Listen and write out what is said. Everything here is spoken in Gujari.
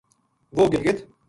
وہ گلگت